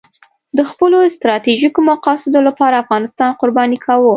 د خپلو ستراتیژیکو مقاصدو لپاره افغانستان قرباني کاوه.